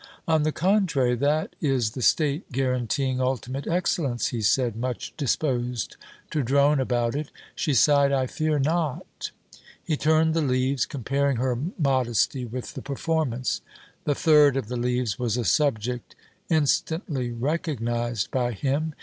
'On the contrary, that is the state guaranteeing ultimate excellence,' he said, much disposed to drone about it. She sighed: 'I fear not.' He turned the leaves, comparing her modesty with the performance. The third of the leaves was a subject instantly recognized by him.